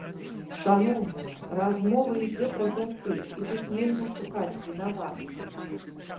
Шаноўныя, размова ідзе пра дзяцей, і тут нельга шукаць вінаватых.